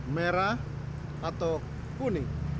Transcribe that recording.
merah atau kuning